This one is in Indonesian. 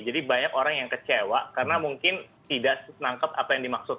jadi banyak orang yang kecewa karena mungkin tidak menangkap apa yang dimaksud